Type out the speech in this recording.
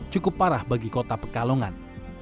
cukup parah bagi kota pekalongan